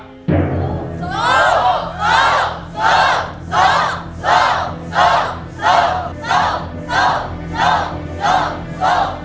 สู้